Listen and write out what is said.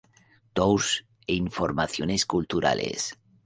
Tours y Informaciones Culturales